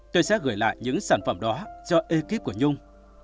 tôi sẽ gửi lại những sản phẩm đó cho ekip của nhung